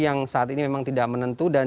yang saat ini memang tidak menentu dan